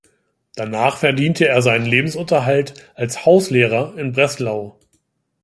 Danach verdiente er seinen Lebensunterhalt als Hauslehrer in Breslau.